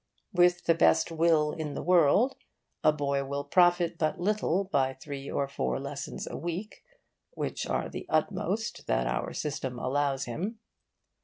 With the best will in the world, a boy will profit but little by three or four lessons a week (which are the utmost that our system allows him).